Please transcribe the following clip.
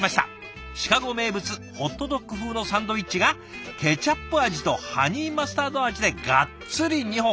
シカゴ名物ホットドッグ風のサンドイッチがケチャップ味とハニーマスタード味でガッツリ２本！